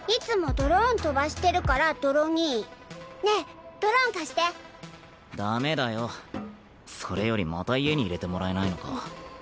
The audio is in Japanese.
ドローン飛ばしてるからドロ兄ねえドローン貸してダメだよそれよりまた家に入れてもらえないのか？